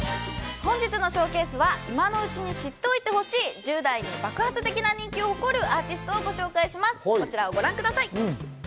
本日のＳＨＯＷＣＡＳＥは今のうちに知っておいてほしい、１０代に爆発的に人気を誇るこちらのアーティストをご覧ください。